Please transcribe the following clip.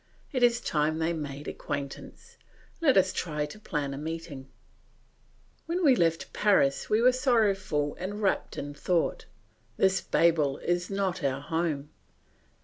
It is time they made acquaintance; let us try to plan a meeting. When we left Paris we were sorrowful and wrapped in thought. This Babel is not our home.